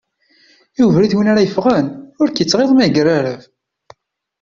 I ubrid win i yeffɣen, ur k-ittɣiḍ ma yegrareb.